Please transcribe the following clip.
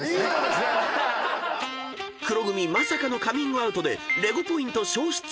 ［黒組まさかのカミングアウトでＬＥＧＯポイント消失］